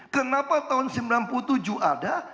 kenapa tahun sembilan puluh tujuh ada